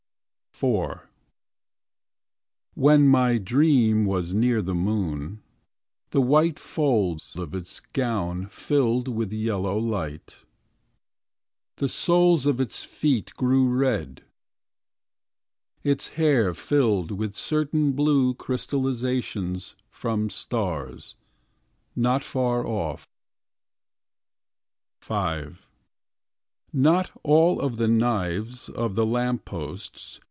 IV When my dream was near the moon. The white folds of its gown Filled with yellow light. The soles of its feet Grew red. Its hair filled With certain blue crystallizations From stars. Not far off. V Not all the knives of the lamp posts.